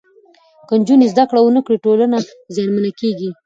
که نجونې زدهکړه ونکړي، ټولنه زیانمنه کېږي.